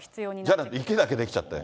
じゃないと池だけ出来ちゃって。